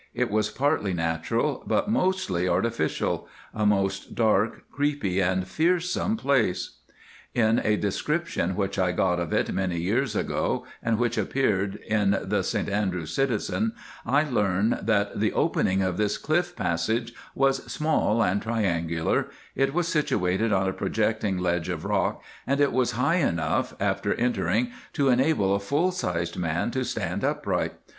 It was partly natural, but mostly artificial—a most dark, creepy, and fearsome place. In a description which I got of it many years ago, and which appeared in the St Andrews Citizen, I learn that "the opening of this cliff passage was small and triangular; it was situated on a projecting ledge of rock, and it was high enough, after entering, to enable a full sized man to stand upright.